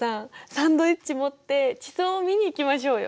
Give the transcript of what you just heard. サンドイッチ持って地層を見に行きましょうよ。